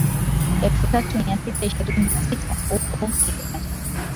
elfu tatu mia sita ishirini na sita upo Kilimanjaro